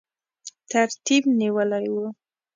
ترتیب نیولی وو.